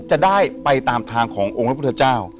จะได้ไปตามทางขององค์พระพุทธเจ้า